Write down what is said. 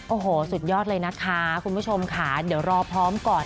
โอ้โหสุดยอดเลยนะคะคุณผู้ชมค่ะเดี๋ยวรอพร้อมก่อน